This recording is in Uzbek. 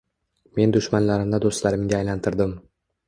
Men dushmanlarimni do’stlarimga aylantirdim.